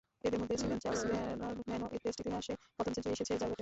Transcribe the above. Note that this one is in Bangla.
এঁদের মধ্যে ছিলেন চার্লস ব্যানারম্যানও, টেস্ট ইতিহাসে প্রথম সেঞ্চুরি এসেছে যাঁর ব্যাটে।